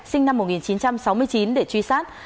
sinh năm một nghìn chín trăm sáu mươi chín để truy sát